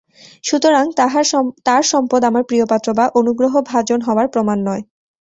সুতরাং তার সম্পদ আমার প্রিয়পাত্র বা অনুগ্রহভাজন হওয়ার প্রমাণ নয়।